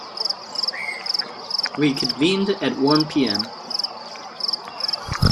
We convened at one pm.